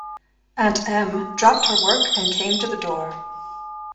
Aunt Em dropped her work and came to the door.